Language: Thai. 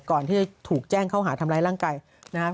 ก่อนที่จะถูกแจ้งเข้าหาทำร้ายร่างกายนะครับ